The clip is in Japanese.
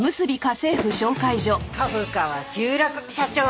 株価は急落社長は解任。